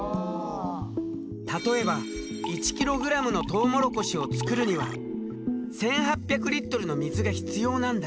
例えば１キログラムのトウモロコシを作るには１，８００リットルの水が必要なんだ。